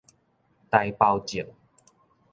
臺胞證